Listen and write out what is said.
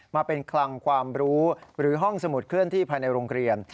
มาเป็นคลังความรู้หรือห้องสมุดเคลื่อนที่ภายในโรงเรียน